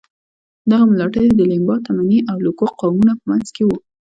دغه ملاتړي د لیمبا، تمني او لوکو قومونو په منځ کې وو.